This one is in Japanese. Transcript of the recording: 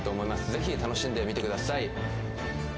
ぜひ楽しんで見てください